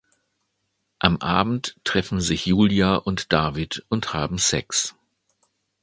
Am Abend treffen sich Julia und David und haben Sex.